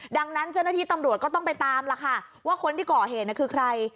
ดังนั้นเจ้าหน้าที่ตำรวจก็ต้องไปตามล่ะค่ะว่าคนที่ก่อเหตุคือใคร